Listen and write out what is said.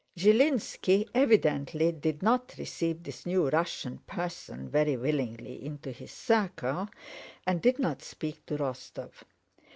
Zhilínski evidently did not receive this new Russian person very willingly into his circle and did not speak to Rostóv.